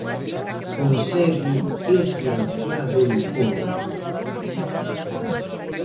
Consegue ese ansiado encontro.